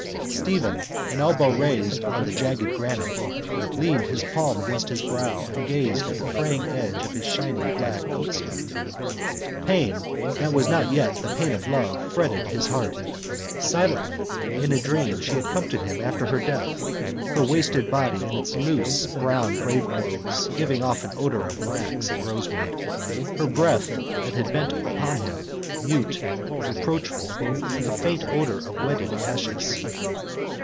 Stephen, an elbow rested on the jagged granite, leaned his palm against his brow and gazed at the fraying edge of his shiny black coat sleeve. Pain, that was not yet the pain of love, fretted his heart. Silently, in a dream she had come to him after her death, her wasted body within its loose brown graveclothes giving off an odour of wax and rosewood, her breath, that had bent upon him, mute, reproachful, a faint odour of wetted ashes.